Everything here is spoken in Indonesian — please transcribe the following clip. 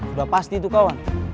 udah pasti itu kawan